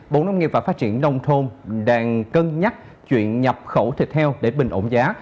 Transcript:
bộ nông nghiệp và phát triển nông thôn đang cân nhắc chuyện nhập khẩu thịt heo để bình ổn giá